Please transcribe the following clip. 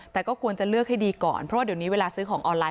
แต่ก็ควรจะเลือกให้ดีก่อนเพราะว่าเดี๋ยวนี้เวลาซื้อของออนไล